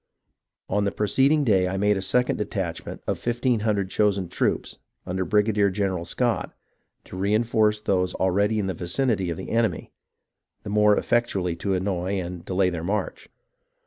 On the preceding day I made a second detachment of fifteen hundred chosen troops, under Brigadier general Scott, to reinforce those already in the vicinity of the enemy, the more effectually to annoy and delay their march.